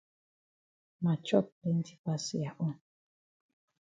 Ma chop plenti pass ya own.